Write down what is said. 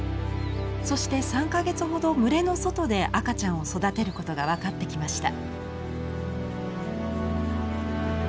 そして３か月ほど群れの外で赤ちゃんを育てることが分かってきました。